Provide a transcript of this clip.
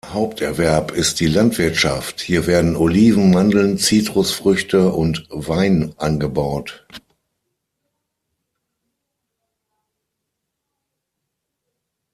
Haupterwerb ist die Landwirtschaft, hier werden Oliven, Mandeln, Zitrusfrüchte und Wein angebaut.